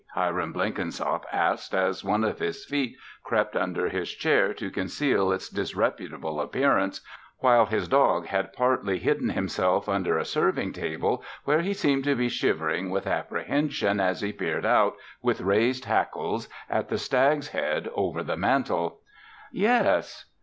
Hiram Blenkinsop asked as one of his feet crept under his chair to conceal its disreputable appearance, while his dog had partly hidden himself under a serving table where he seemed to be shivering with apprehension as he peered out, with raised hackles, at the stag's head over the mantel. "Yes."